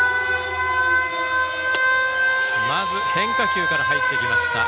まず変化球から入ってきました。